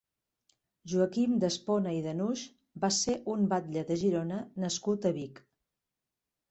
Joaquim d'Espona i de Nuix va ser un batlle de Girona nascut a Vic.